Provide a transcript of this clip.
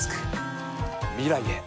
未来へ。